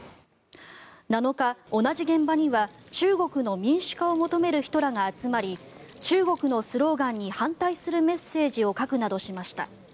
７日、同じ現場には中国の民主化を求める人らが集まり中国のスローガンに反対するメッセージを書くなどしました。